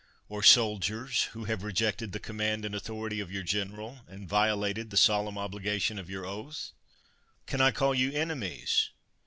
or soldiers, who have rejected the com mand and authority of your general, and viola ted the solemn obligation of your oath? Can I call you enemies?